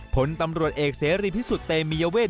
ผลตำรวจเอกเสรีพิสุทธิเตมียเวท